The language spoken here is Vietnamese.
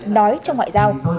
nói cho ngoại giao